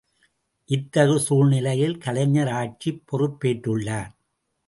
இத்தகு சூழ்நிலையில் கலைஞர் ஆட்சிப் பொறுப்பேற்றுள்ளார்.